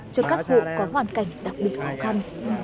cảnh đặc biệt khó khăn